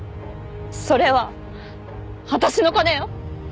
それは私の金よ！